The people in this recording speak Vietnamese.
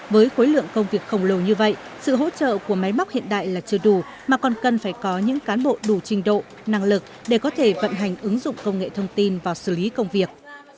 với khối lượng công việc khổng lồ như vậy sự hỗ trợ của máy móc hiện đại là chưa đủ mà còn cần phải có những cán bộ đủ trình độ năng lực để có thể vận hành ứng dụng công nghệ thông tin vào xử lý công việc